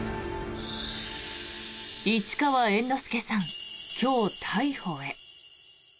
市川猿之助さん、今日逮捕へ。